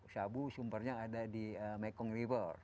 sabu sumbernya ada di mekong river